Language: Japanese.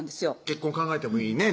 結婚考えてもいいね